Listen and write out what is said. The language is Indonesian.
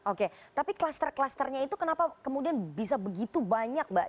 oke tapi kluster klusternya itu kenapa kemudian bisa begitu banyak mbak